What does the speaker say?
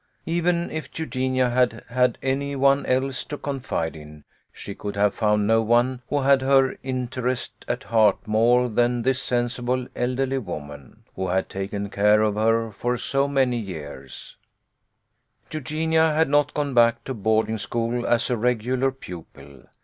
Even if Eugenia had had any one else to confide in, she could have found no one who had her interest at heart more than this sensible, elderly woman, who had taken care of her for so many years. 106 EUGENIA JOINS THE SEARCH. 1 07 Eugenia had not gone back to boarding school as a regular pupil.